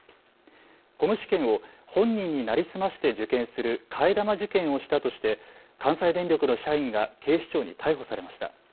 この試験を本人に成り済まして受験する替え玉受験をしたとして関西電力の社員が警視庁に逮捕されました。